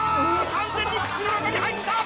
完全に口の中に入った！